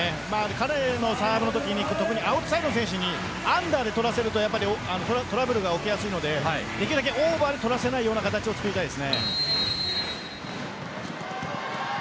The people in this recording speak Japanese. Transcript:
彼のサーブのときにアウトサイドの選手にアンダーで取らせるとトラブルが起きやすいのでできるだけオーバーで取らせない形を作りたいです。